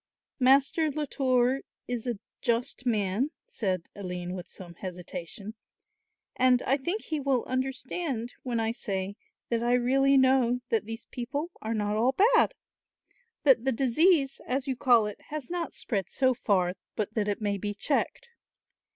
"Master Latour is a just man," said Aline with some hesitation, "and I think he will understand when I say that I really know that these people are not all bad, that the disease, as you call it, has not spread so far but that it may be checked."